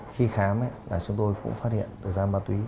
khi khám là chúng tôi cũng phát hiện ra ma túy